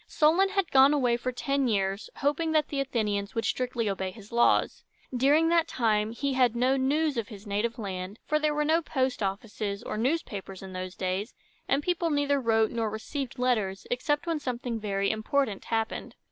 Solon had gone away for ten years, hoping that the Athenians would strictly obey his laws. During that time he had no news of his native land; for there were no post offices or newspapers in those days, and people neither wrote nor received letters except when something very important happened.